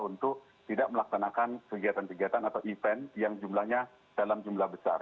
untuk tidak melaksanakan kegiatan kegiatan atau event yang jumlahnya dalam jumlah besar